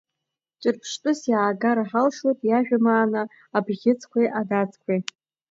Ҿырԥштәыс иаагар ҳалшоит иажәамаана Абӷьыцқәеи адацқәеи.